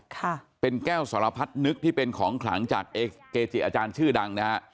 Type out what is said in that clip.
ค่ะเป็นแก้วสารพัดนึกที่เป็นของขลังจากเอกเกจิอาจารย์ชื่อดังนะฮะ